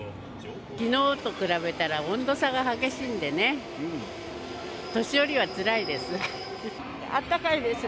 きのうと比べたら温度差が激しいんでね、あったかいです。